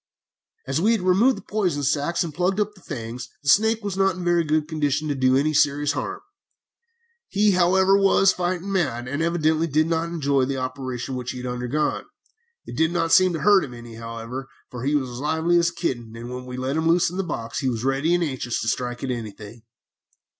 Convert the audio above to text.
"As we had removed the poison sacs and plugged up the fangs, this snake was not in a very good condition to do any serious harm. He, however, was fighting mad, and evidently did not enjoy the operation which he had undergone. It did not seem to hurt him any, however, for he was as lively as a kitten when we let him loose in the box, and was ready and anxious to strike at anything.